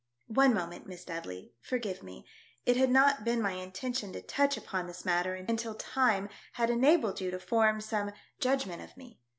.. One moment, Miss Dudley — forgive me, it had not been my intention to touch upon this matter until time had enabled you to form some judgment of 1 66 THE DEATH SHIP. me.